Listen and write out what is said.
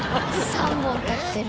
３本立ってる。